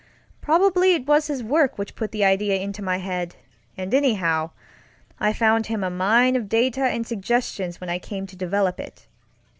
Probably it was his work which put the idea into my head, and anyhow, I found him a mine of data and suggestions when I came to develop it.